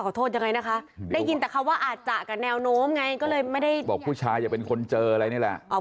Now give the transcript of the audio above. โทษยังไงนะคะได้ยินแต่คำว่าอาจจะกับแนวโน้มไงก็เลยไม่ได้บอกผู้ชายอย่าเป็นคนเจออะไรนี่แหละ